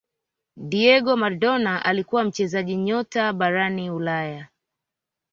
Diego Maradona alikuwa mchezaji nyota barani ulaya